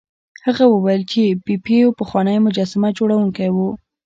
هغه وویل چې بیپو پخوانی مجسمه جوړونکی و.